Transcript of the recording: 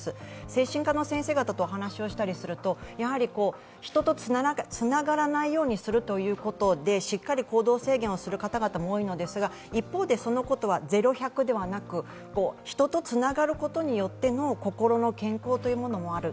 精神科の先生方とお話をしたりすると、人とつながらないようにすることでしっかり行動制限をする方々も多いのですが一方で、そのことは０・１００ではなく人とつながることによっての心の健康というのもある。